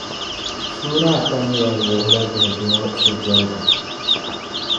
Suuri ata mi yɛn wuhila vihigu ŋͻ sodoligu.